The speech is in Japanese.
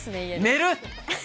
寝る？